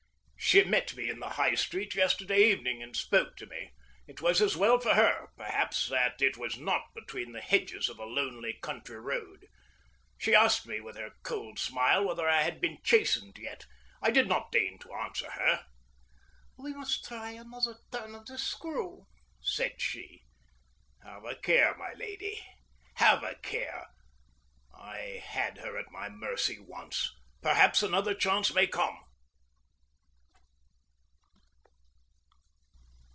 She met me in the High Street yesterday evening and spoke to me. It was as well for her, perhaps, that it was not between the hedges of a lonely country road. She asked me with her cold smile whether I had been chastened yet. I did not deign to answer her. "We must try another turn of the screw;" said she. Have a care, my lady, have a care! I had her at my mercy once. Perhaps another chance may come.